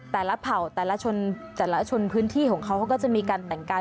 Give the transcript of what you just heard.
แต่ละเผ่าแต่ละชนแต่ละชนพื้นที่ของเขาเขาก็จะมีการแต่งกาย